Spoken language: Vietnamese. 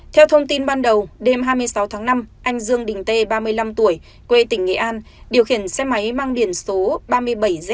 theo thông tin ban đầu đêm hai mươi sáu tháng năm anh dương đình tê ba mươi năm tuổi quê tỉnh nghệ an điều khiển xe máy mang điển số ba mươi bảy z chín hai trăm linh ba